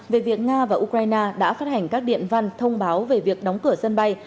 về việc nga và ukraine đã phát hành các điện văn thông báo về việc đóng cửa sân bay